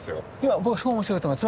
僕すごい面白いと思います。